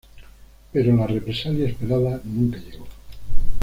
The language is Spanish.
Pero la represalia esperada nunca llegó.